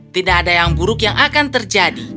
tidak ada yang buruk yang akan terjadi